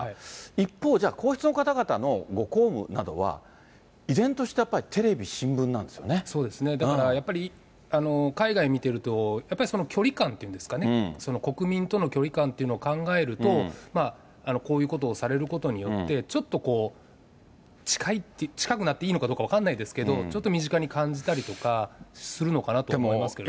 一方、じゃあ、皇室の方々のご公務などは、依然としてやっぱりテレビ、そうですね、だからやっぱり海外見てると、やっぱり距離感というんですかね、国民との距離感っていうのを考えると、こういうことをされることによって、ちょっと近くなって、いいのかどうか分からないですけれども、ちょっと身近に感じたりとかするのかなと思いますけどね。